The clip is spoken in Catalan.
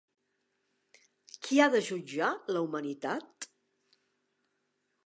Qui ha de jutjar la humanitat?